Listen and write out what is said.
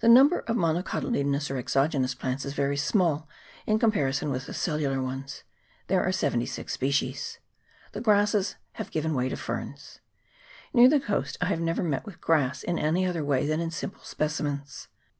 The number of MONOCOTYLEDONOUS or EXOGENOUS plants is very small in comparison with the cellular ones : there are 76 species. The grasses have given way to ferns. Near the coast I have never met with grass in any other way than in simple specimens.